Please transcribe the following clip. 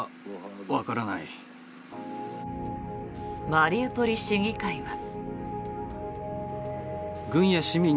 マリウポリ市議会は。